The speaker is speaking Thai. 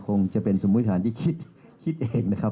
คงจะเป็นสมมุติฐานที่คิดเองนะครับ